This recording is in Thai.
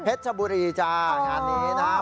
เพชรบุรีจ้างานนี้นะ